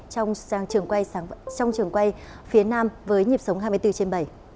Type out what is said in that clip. trong trường quay phía nam với nhịp sống hai mươi bốn trên bảy